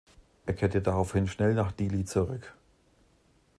Er kehrte daraufhin schnell nach Dili zurück.